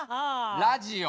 ラジオ。